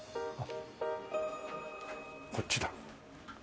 こっちだ。